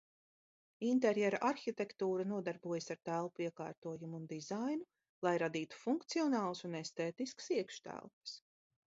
Interjera arhitektūra nodarbojas ar telpu iekārtojumu un dizainu, lai radītu funkcionālas un estētiskas iekštelpas.